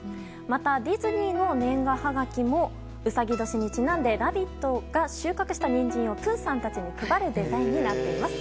また、ディズニーの年賀はがきもうさぎ年にちなんでラビットが収穫したニンジンをプーさんたちに配るデザインになっています。